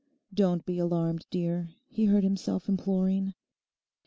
'Don't be alarmed, dear,' he heard himself imploring.